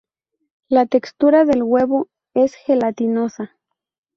La textura del huevo es gelatinosa.